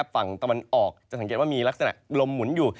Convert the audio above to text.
ฝั่งตะวันออกจะสังเกตว่ามีลักษณะลมหมุนอยู่